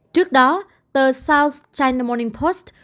trước đó tờ south china morning post